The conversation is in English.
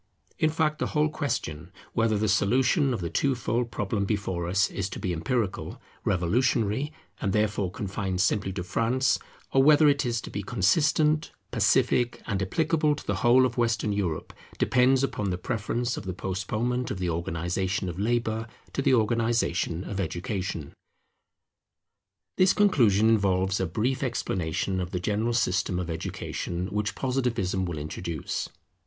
In fact, the whole question, whether the solution of the twofold problem before us is to be empirical, revolutionary, and therefore confined simply to France; or whether it is to be consistent, pacific, and applicable to the whole of Western Europe, depends upon the preference or the postponement of the organization of Labour to the organization of Education. [Public Opinion must be based upon a sound system of Education] This conclusion involves a brief explanation of the general system of education which Positivism will introduce.